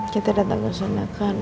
kita datang kesana kan